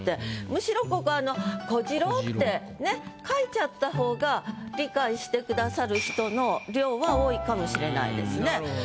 むしろここは「小次郎」って書いちゃったほうが理解してくださる人の量は多いかもしれないですね。